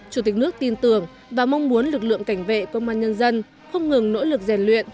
chủ tịch nước tin tưởng và mong muốn lực lượng cảnh vệ công an nhân dân không ngừng nỗ lực rèn luyện